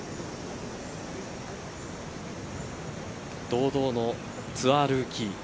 堂々のツアールーキー。